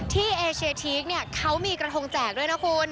เอเชียทีกเนี่ยเขามีกระทงแจกด้วยนะคุณ